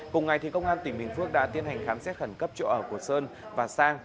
cùng ngày công an tỉnh bình phước đã tiến hành khám xét khẩn cấp chỗ ở của sơn và sang